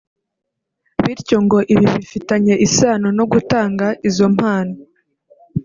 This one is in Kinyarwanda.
bityo ngo ibi bifitanye isano no gutanga izo mpano